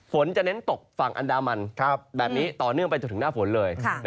ฝนจะเน้นตกฝั่งอันดามันแบบนี้ต่อเนื่องไปจนถึงหน้าฝนเลย